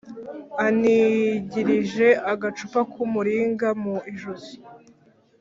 Anigirije agacumu k umuringa mu ijosi